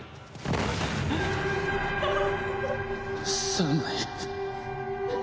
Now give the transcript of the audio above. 寒い。